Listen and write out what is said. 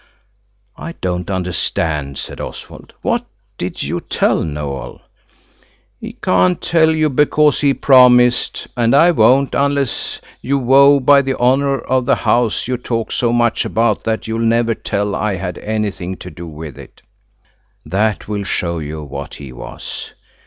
"I don't understand," said Oswald. "What did you tell Noël?" "He can't tell you because he promised–and I won't–unless you vow by the honour of the house you talk so much about that you'll never tell I had anything to do with it." That will show you what he was.